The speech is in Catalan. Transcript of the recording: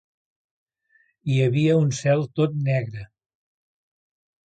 Hi havia un cel tot negre.